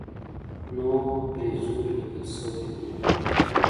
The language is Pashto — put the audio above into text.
نو پرې ځو لیکل شوي وو.